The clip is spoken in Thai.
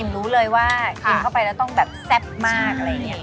รู้เลยว่ากินเข้าไปแล้วต้องแบบแซ่บมาก